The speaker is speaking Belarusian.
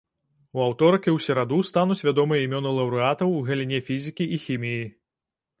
У аўторак і ў сераду стануць вядомыя імёны лаўрэатаў у галіне фізікі і хіміі.